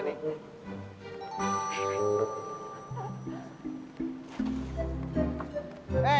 nih senang ini